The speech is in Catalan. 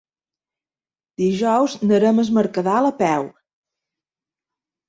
Dijous anirem a Es Mercadal a peu.